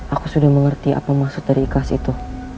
aku sudah mengerti apa maksud dari ikhlas itu